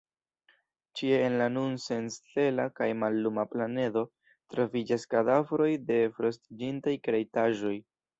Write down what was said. Ĉie en la nun senstela kaj malluma planedo troviĝas kadavroj de frostiĝintaj kreitaĵoj.